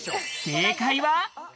正解は？